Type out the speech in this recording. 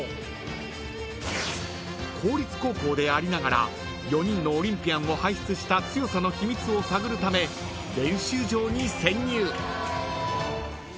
［公立高校でありながら４人のオリンピアンを輩出した強さの秘密を探るため練習場に潜入］